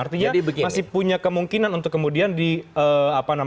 artinya masih punya kemungkinan untuk kemudian